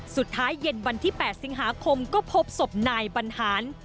เย็นวันที่๘สิงหาคมก็พบศพนายบรรหาร